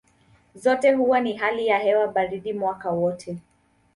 Zote huwa na hali ya hewa baridi mwaka wote.